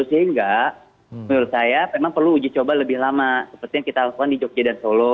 sehingga menurut saya memang perlu uji coba lebih lama seperti yang kita lakukan di jogja dan solo